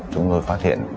chúng tôi phát hiện